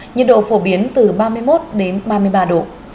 nhiệt độ phổ biến từ ba mươi một đến ba mươi ba độ